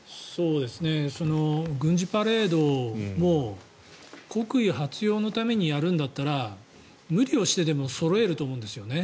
軍事パレードも国威発揚のためにやるんだったら無理をしてでもそろえると思うんですよね。